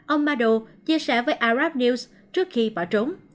ông madu chia sẻ với arab news trước khi bỏ trốn